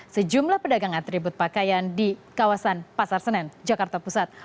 sejumlah pedagang atribut pakaian di kawasan pasar senen jakarta pusat